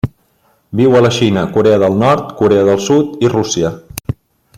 Viu a la Xina, Corea del Nord, Corea del Sud i Rússia.